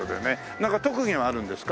なんか特技はあるんですか？